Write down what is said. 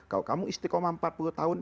kalau kamu istiqomah empat puluh tahun